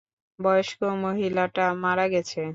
বয়স্ক মহিলাটা মারা গেছে।